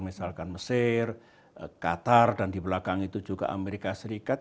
misalkan mesir qatar dan di belakang itu juga amerika serikat